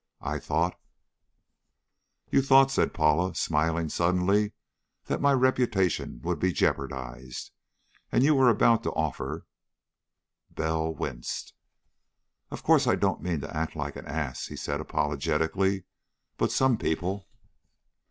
I thought " "You thought," said Paula, smiling suddenly, "that my reputation would be jeopardized. And you were about to offer " Bell winced. "Of course I don't mean to act like an ass," he said apologetically, "but some people...."